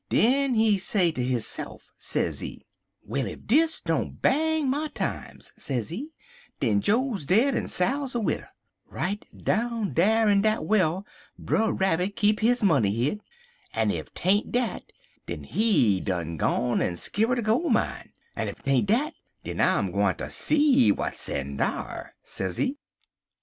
Den he say ter hisse'f, sezee: "'Well, ef dis don't bang my times,' sezee, 'den Joe's dead en Sal's a widder. Right down dar in dat well Brer Rabbit keep his money hid, en ef 'tain't dat den he done gone en 'skiver'd a gole mine, en ef 'tain't dat, den I'm a gwineter see w'at's in dar,' sezee.